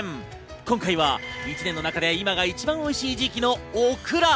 今回は一年の中で今が一番おいしい時期のオクラ。